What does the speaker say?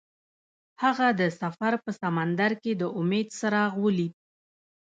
هغه د سفر په سمندر کې د امید څراغ ولید.